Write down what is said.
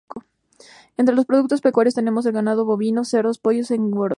Entre los productos pecuarios tenemos el ganado bovino, cerdos, pollos de engorde.